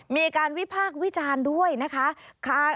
มีการวิพากษ์วิจารณ์ด้วยนะคะ